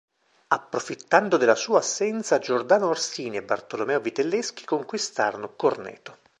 Approfittando della sua assenza Giordano Orsini e Bartolomeo Vitelleschi conquistarono Corneto.